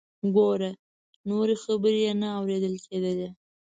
ګوره…. نورې خبرې یې نه اوریدل کیدلې.